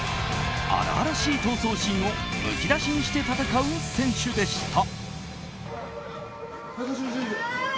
荒々しい闘争心をむき出しにして戦う選手でした。